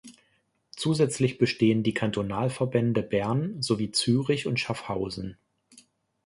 Zusätzlich bestehen die Kantonalverbände Bern sowie Zürich und Schaffhausen.